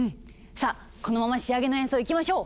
さあこのまま仕上げの演奏いきましょう！